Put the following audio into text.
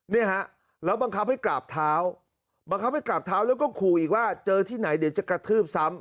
เนี่ยฮะแล้วบังคับให้กราบเท้าบังคับให้กราบเท้าแล้วก็ขู่อีกว่าเจอที่ไหนเดี๋ยวจะกระทืบซ้ำ